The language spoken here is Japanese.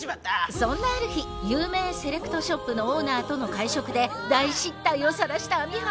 そんなある日有名セレクトショップのオーナーとの会食で大失態をさらした網浜。